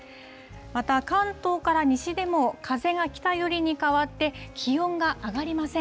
また、関東から西でも風が北寄りに変わって、気温が上がりません。